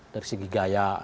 dari segi gaya